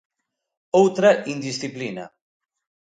Outra indisciplina.